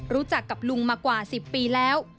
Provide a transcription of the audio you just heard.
รู้จักกับลุงมากว่า๑๐ปีแล้ว